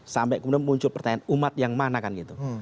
sampai kemudian muncul pertanyaan umat yang mana kan gitu